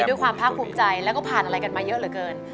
ด้วยความภาคภูมิใจแล้วก็ผ่านอะไรกันมาเยอะเหลือเกิน